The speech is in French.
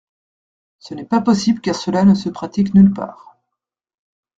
Ce n’est pas possible car cela ne se pratique nulle part.